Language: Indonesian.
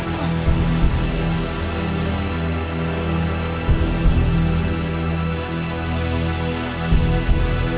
ccrema telah itu sudah diminta